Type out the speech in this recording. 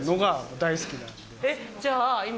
じゃあ今。